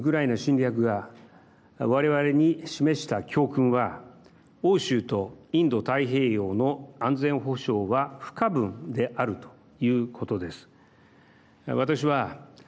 ロシアによる一方的な侵略がわれわれに示した教訓は欧州とインド太平洋の安全保障は不可分であるということです。